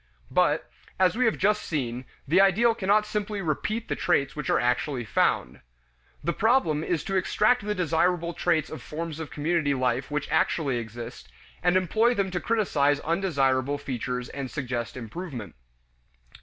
But, as we have just seen, the ideal cannot simply repeat the traits which are actually found. The problem is to extract the desirable traits of forms of community life which actually exist, and employ them to criticize undesirable features and suggest improvement.